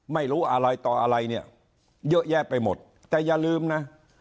ไม่รู้อะไรต่ออะไรเนี่ยเยอะแยะไปหมดแต่อย่าลืมนะ